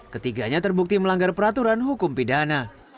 ketiganya terbukti melanggar peraturan hukum pidana